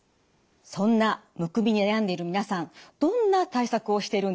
そんなむくみで悩んでいる皆さんどんな対策をしているんでしょうか？